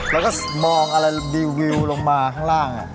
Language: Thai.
แล้วก็มองอะไรรีวิวลงมาข้างล่าง